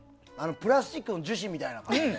プラスチックの樹脂みたいな感じで。